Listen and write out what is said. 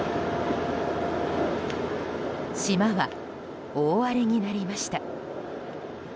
島が大荒れになりました。